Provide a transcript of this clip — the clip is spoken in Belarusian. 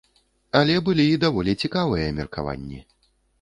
Але былі і даволі цікавыя меркаванні.